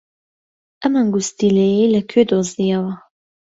ئەم ئەنگوستیلەیەی لەکوێ دۆزییەوە؟